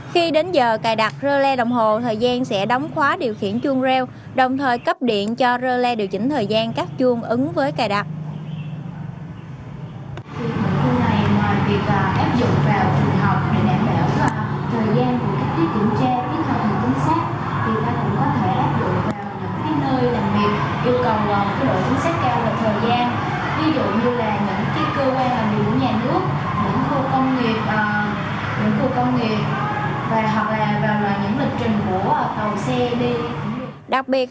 khi đến giờ cài đặt rơ le đồng hồ thời gian sẽ đóng khóa điều khiển chuông rêu đồng thời cấp điện cho rơ le điều chỉnh thời gian các chuông ứng với cài đặt